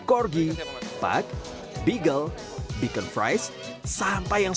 corgi pak beagle bikin fries sampai yang